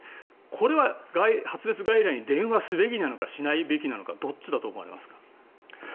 これは発熱外来に電話すべきなのかしないべきなのかどっちだと思いますか？